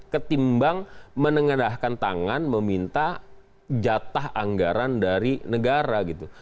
ketimbang menengadahkan tangan meminta jatah anggaran dari negara gitu